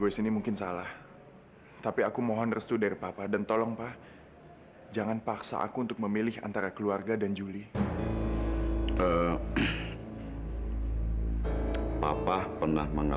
sampai jumpa di video selanjutnya